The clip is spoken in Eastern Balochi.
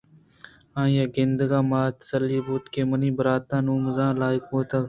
آئی ءِ گندگ ءَ من ءَ تسلا بوت کہ منی برات نوں مزن ءُ لائق بوتگ